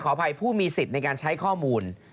อภัยผู้มีสิทธิ์ในการใช้ข้อมูล